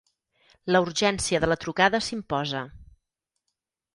La urgència de la trucada s'imposa.